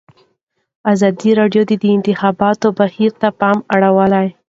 ازادي راډیو د د انتخاباتو بهیر ته پام اړولی.